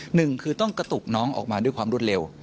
หนึ่งคือต้องกระตุกน้องออกมาด้วยความรวดเร็ว